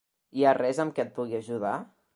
Hi ha res amb què et pugui ajudar?